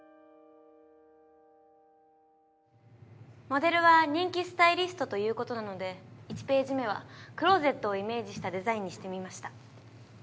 モデルは人気スタイリストということなので１ページ目はクローゼットをイメージしたデザインにしてみました。